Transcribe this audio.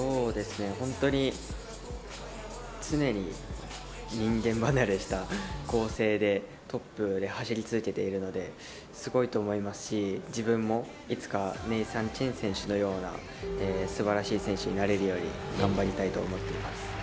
本当に常に人間離れした構成でトップで走り続けているのですごいと思いますし、自分もいつかネイサン・チェン選手のようなすばらしい選手になれるように頑張りたいと思っています。